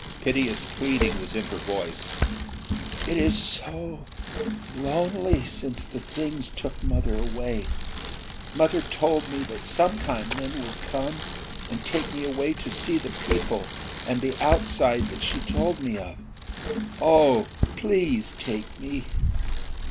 Piteous pleading was in her voice. "It is so lonely since the Things took Mother away. Mother told me that sometime men would come, and take me away to see the people and the outside that she told me of. Oh, please take me!"